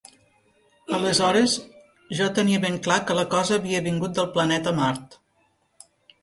Aleshores, jo tenia ben clar que la cosa havia vingut del planeta Mart.